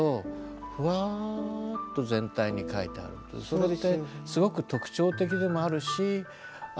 そこがすごく特徴的でもあるしあ